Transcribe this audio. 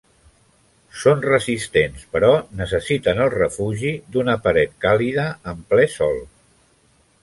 Són resistents, però necessiten el refugi d'una paret càlida en ple sol.